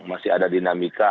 masih ada dinamika